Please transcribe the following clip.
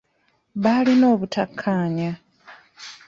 Baalina obutakkaanya.